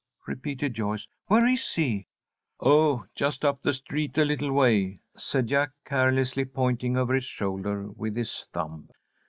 repeated Joyce. "Where is he?" "Oh, just up the street a little way," said Jack, carelessly, pointing over his shoulder with his thumb.